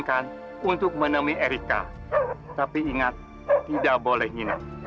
aku menang lagi